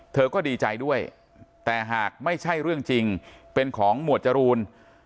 เธอก็ดีใจด้วยแต่หากไม่ใช่เรื่องจริงเป็นของหมวดจรูน